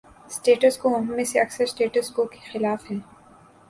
’Status quo‘ ہم میں سے اکثر 'سٹیٹس کو‘ کے خلاف ہیں۔